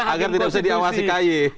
agar tidak bisa diawasi kay